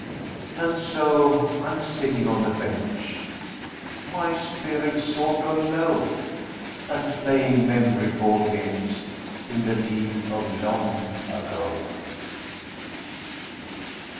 And so I'm sitting on the bench, my spirits sort o' low, And playing memory ball games in the League of Long Ago.